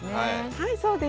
はいそうです。